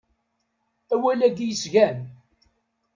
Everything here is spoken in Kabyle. Awal-agi yesgan.